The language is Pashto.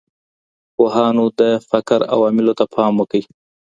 پوهانو د فقر عواملو ته پام وکړ.